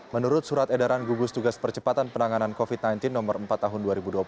menurut surat edaran gugus tugas percepatan penanganan covid sembilan belas no empat tahun dua ribu dua puluh